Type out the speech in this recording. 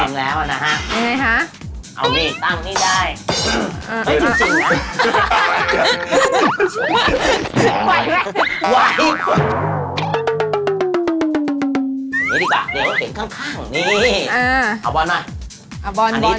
เอาอันนี้เอาที่นี่